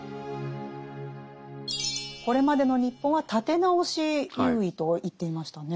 これまでの日本は立て直し優位と言っていましたね。